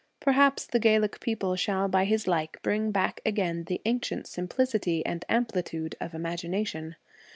Perhaps the Gaelic people shall by his like bring back again the ancient simplicity and am plitude of imagination.